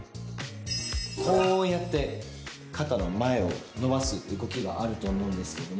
こうやって肩の前を伸ばす動きがあると思うんですけども。